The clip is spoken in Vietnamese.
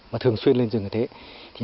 mà thường xuyên lên rừng như thế